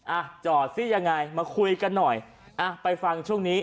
อ่ะจอดสิยังไงมาคุยกันหน่อยอ่ะไปฟังช่วงนี้